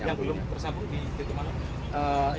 yang belum tersambung di ketumalang